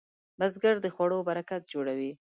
بزګر د خوړو برکت جوړوي